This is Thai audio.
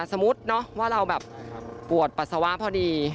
สมมุติว่าเราแบบปวดปัสสาวะพอดี